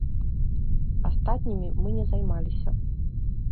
Астатнімі мы не займаліся.